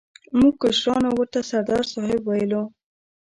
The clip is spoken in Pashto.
موږ کشرانو ورته سردار صاحب ویلو.